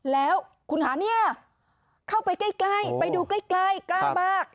แล้วคุณคะเนี่ยเข้าไปใกล้ไปดูใกล้กล้ามาก